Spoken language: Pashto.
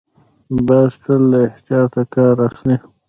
باز تل له احتیاط کار اخلي